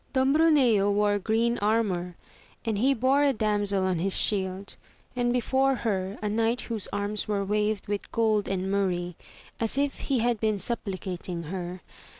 Don Bruneo wore green armour, and he bore a damsel in his shield, and before her a AMADIS OF GAUL. 35 knight whose arms were waved with gold and murrey, as if he had been supplicating her.